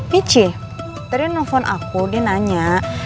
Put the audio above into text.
michi tadi yang nelfon aku dia nanya